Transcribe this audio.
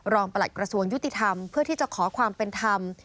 ประหลัดกระทรวงยุติธรรมเพื่อที่จะขอความเป็นธรรม